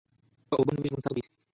که اوبه نه وي ژوند سخت دي